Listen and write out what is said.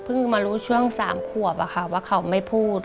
มารู้ช่วง๓ขวบว่าเขาไม่พูด